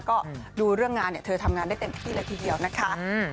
ก็ดูเรื่องงานเนี่ยเธอทำงานได้เต็มที่เลยทีเดียวนะคะ